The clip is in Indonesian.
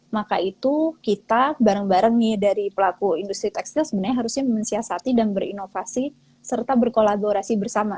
maka itu kita bareng bareng nih dari pelaku industri tekstil sebenarnya harusnya mensiasati dan berinovasi serta berkolaborasi bersama